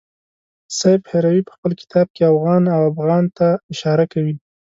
سیف هروي په خپل کتاب کې اوغان او افغان ته اشاره کوي.